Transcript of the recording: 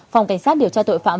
phòng cảnh sát điều tra tội phạm